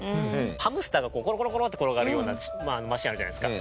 ハムスターがこうコロコロコロって転がるようなマシーンあるじゃないですか。